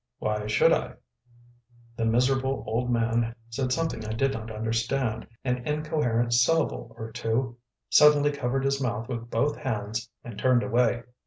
"Why should I?" The miserable old man said something I did not understand an incoherent syllable or two suddenly covered his mouth with both hands, and turned away.